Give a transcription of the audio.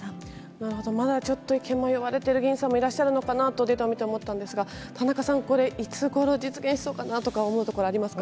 なるほど、まだちょっと迷われてる議員さんもいらっしゃるのかな？と、データ見て思ったんですが、田中さん、これいつごろ実現しそうかなとか、思うところ、ありますか？